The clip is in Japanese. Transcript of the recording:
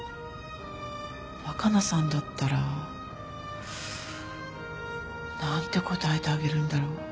若菜さんだったら何て答えてあげるんだろう。